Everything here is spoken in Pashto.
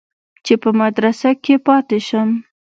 چې په مدرسه کښې پاته سم.